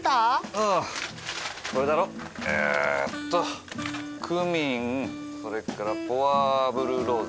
あぁこれだろ？えーっとクミンそれからポアブルローゼ。